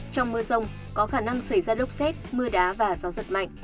trong mưa rông có khả năng xảy ra lốc rét mưa đá và gió sật mạnh